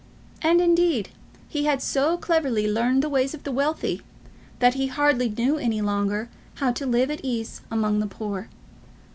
And, indeed, he had so cleverly learned the ways of the wealthy, that he hardly knew any longer how to live at his ease among the poor.